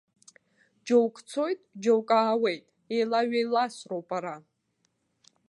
Џьоук цоит, џьоук аауеит, еилаҩеиласроуп ара.